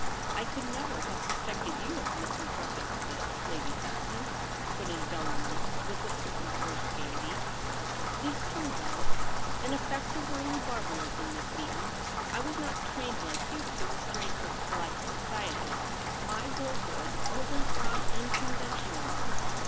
' I could never have suspected you of mis anthropic fits, Lady Saxon,' put in Bellarmin, with a certain forced gaiety. ' It is true, though — an effect of early bar barism. Miss Beaton. I was not trained like you to the restraints of polite society. My girlhood was an odd unconventional one.'